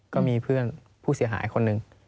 ก็มีเพื่อนผู้เสียหายคนหนึ่ง